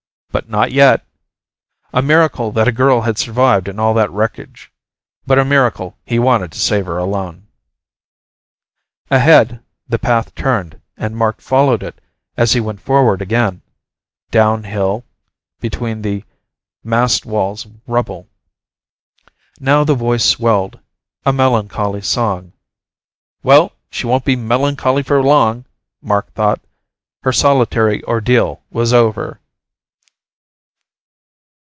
But not yet! A miracle that a girl had survived in all that wreckage. But a miracle he wanted to savour alone! Ahead, the path turned and Mark followed it as it went forward again, downhill, between the massed walls of rubble. Now the voice swelled, a melancholy song. Well, she won't be melancholy for long, Mark thought. Her solitary ordeal was over.